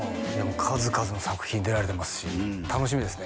数々の作品に出られてますし楽しみですね